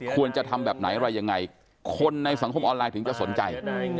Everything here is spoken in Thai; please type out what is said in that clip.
ควรจะทำแบบไหนอะไรยังไงคนในสังคมออนไลน์ถึงจะสนใจ